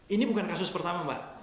ini bukan kasus pertama mbak